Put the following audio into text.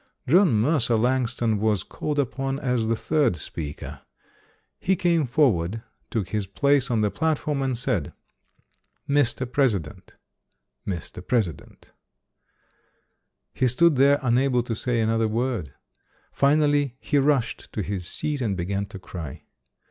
John Mercer Langston was called upon as the third speaker. He came forward, took his place on the platform and said, "Mr. President Mr. President". He stood there unable to say another word. Finally he rushed to his seat and began to cry.